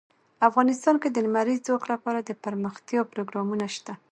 افغانستان کې د لمریز ځواک لپاره دپرمختیا پروګرامونه شته.